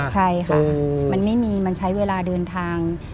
ใช่ค่ะมันไม่มีมันใช้เวลาเดินทาง